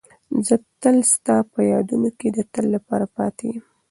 زه تل ستا په یادونو کې د تل لپاره پاتې یم.